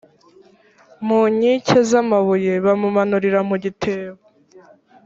mu nkike z amabuye bamumanurira mu gitebo